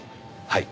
はい。